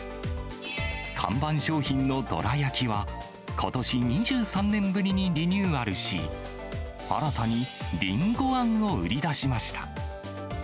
看板商品のどら焼きは、ことし２３年ぶりにリニューアルし、新たに林檎あんを売り出しました。